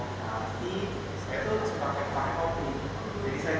jadi saya juga suka kek itu aja yaitu kuali mandi ya